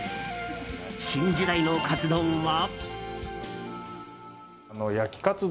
新時代のカツ丼は。